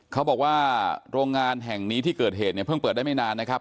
เขาบอกว่าโรงงานแห่งนี้ที่เกิดเหตุเนี่ยเพิ่งเปิดได้ไม่นานนะครับ